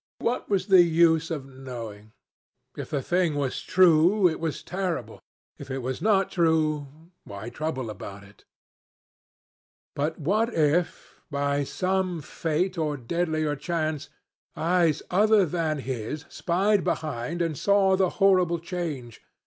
What was the use of knowing? If the thing was true, it was terrible. If it was not true, why trouble about it? But what if, by some fate or deadlier chance, eyes other than his spied behind and saw the horrible change?